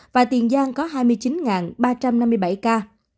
và tiền giang có hai mươi chín ba trăm năm mươi bảy ca